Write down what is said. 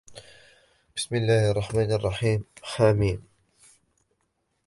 بِسْمِ اللَّهِ الرَّحْمَنِ الرَّحِيمِ حم